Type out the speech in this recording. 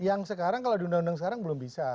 yang sekarang kalau di undang undang sekarang belum bisa